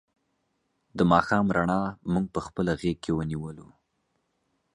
د ماښام رڼا مونږ په خپله غېږ کې ونیولو.